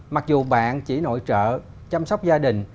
mặc dù bạn chỉ nội trợ chăm sóc gia đình